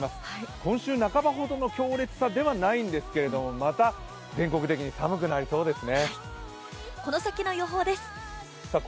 今週半ばほどの強烈さではないんですけど、また全国的に寒くなりそうですね。